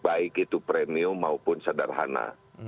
baik itu premium maupun sederhana